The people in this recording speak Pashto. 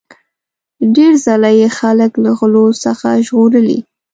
ډیر ځله یې خلک له غلو څخه ژغورلي.